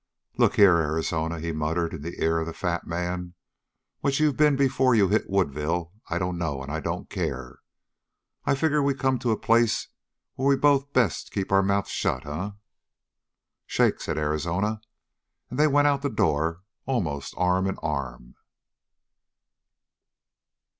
"Look here, Arizona," he muttered in the ear of the fat man, "what you been before you hit Woodville I dunno, and I don't care. I figure we come to a place where we'd both best keep our mouths shut. Eh?" "Shake," said Arizona, and they went out the door, almost arm in arm.